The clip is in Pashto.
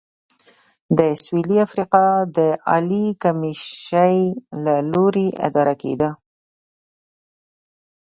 د سوېلي افریقا د عالي کمېشۍ له لوري اداره کېده.